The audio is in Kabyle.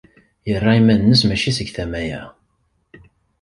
Yerra iman-nnes maci seg tama-a.